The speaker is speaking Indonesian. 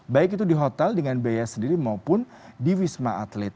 baik itu di hotel dengan biaya sendiri maupun di wisma atlet